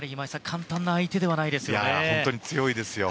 簡単な相手ではないですよね。